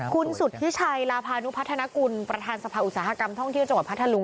คุณสุธิชัยลาพานุพัฒนากุลประธานสภาอุตสาหกรรมท่องเที่ยวจังหวัดพัทธรุง